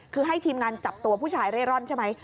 คือให้ทีมงานจับตัวผู้ชายเร่ร่อนใช่ไหม